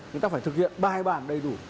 người ta phải thực hiện bài bản đầy đủ